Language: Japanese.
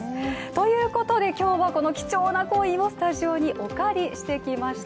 ということで今日はこの貴重なコインをスタジオにお借りしてきました。